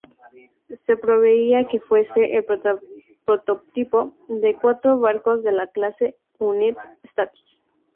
Se preveía que fuese el prototipo de cuatro barcos de la clase "United States".